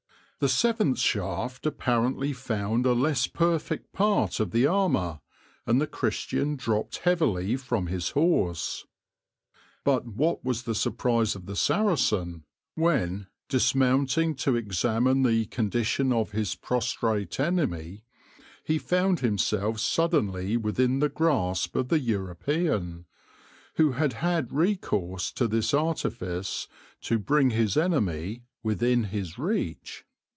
The seventh shaft apparently found a less perfect part of the armour, and the Christian dropped heavily from his horse. But what was the surprise of the Saracen, when, dismounting to examine the condition of his prostrate enemy, he found himself suddenly within the grasp of the European, who had had recourse to this artifice to bring his enemy within his reach!